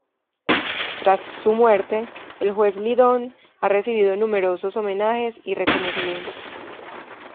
Tras su muerte, el juez Lidón ha recibido numerosos homenajes y reconocimientos.